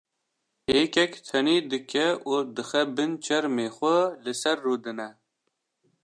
hêkek tenê dike û dixe bin çermê xwe li ser rûdine.